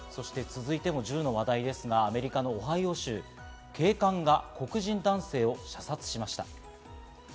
続いても銃の話題ですが、アメリカのオハイオ州、警官が黒人男性を射殺しました。